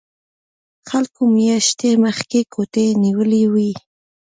خلکو میاشتې مخکې کوټې نیولې وي